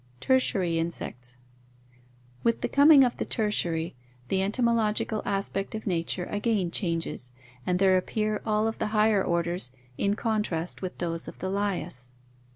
Tertiary Insects. — With the coming of the Tertiary the entomo 458 ORGANIC EVOLUTION logical aspect of nature again changes and there appear all of the higher orders in contrast with those of the Lias.